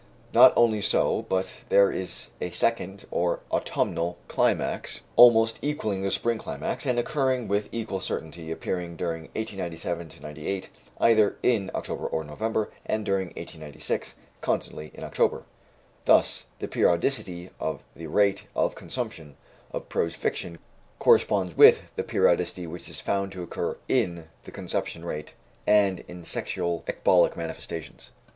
Not only so, but there is a second, or autumnal climax, almost equaling the spring climax, and occuring with equal certainty, appearing during 1897 98 either in October or November, and during 1896, constantly in October. Thus, the periodicity of the rate of consumption of prose fiction corresponds with the periodicity which is found to occur in the conception rate and in sexual ecbolic manifestations.